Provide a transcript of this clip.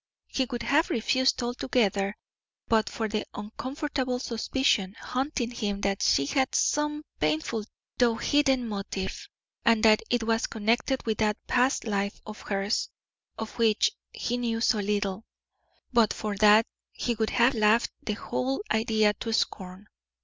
He would have refused altogether, but for the uncomfortable suspicion haunting him that she had some painful though hidden motive, and that it was connected with that past life of hers, of which he knew so little; but for that, he would have laughed the whole idea to scorn.